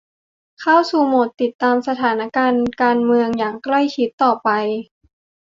เข้าสู่โหมดติดตามสถานการณ์การเมืองอย่างใกล้ชิดต่อไป